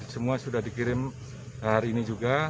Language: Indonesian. semua sudah dikirim hari ini juga